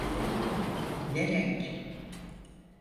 Ne renk?